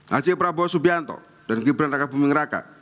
aceh prabowo subianto dan gibran raka buming raka